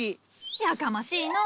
やかましいのう。